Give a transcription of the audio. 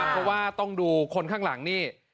เพราะว่าต้องดูคนข้างหลังนี่